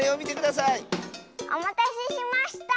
おまたせしました！